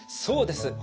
そうです。